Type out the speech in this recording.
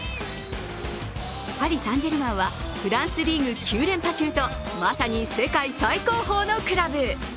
パリ・サン＝ジェルマンはフランスリーグ９連覇中とまさに世界最高峰のクラブ。